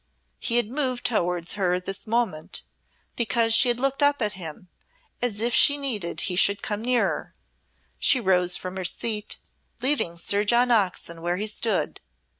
He had moved towards her this moment, because she had looked up at him, as if she needed he should come nearer. She rose from her seat, leaving Sir John Oxon where he stood.